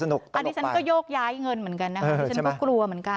อันนี้ฉันก็โยกย้ายเงินเหมือนกันนะคะดิฉันก็กลัวเหมือนกัน